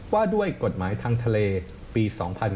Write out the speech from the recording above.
ว่าด้วยกฎหมายทางทะเลปี๒๕๔